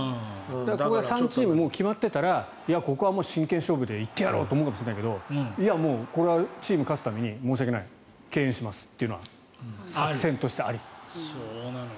この３チーム決まってたらここは真剣勝負で行ってやろうと思うかもしれないけどここはチームが勝つために申し訳ない敬遠で行きますというのは作戦としてある。